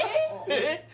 えっ？